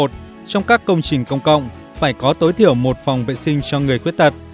hai sáu ba một trong các công trình công cộng phải có tối thiểu một phòng vệ sinh cho người khuyết tật